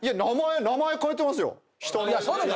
名前変えてますよ。